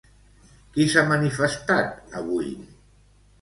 Qui s'ha manifestat avui?